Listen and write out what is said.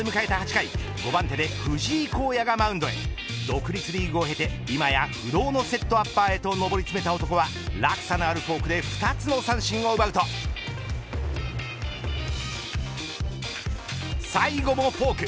８回５番手藤井皓哉がマウンドに独立リーグを経て不動のセットアッパーに上り詰めた男は落差のあるフォークで２つの三振を奪うと最後もフォーク。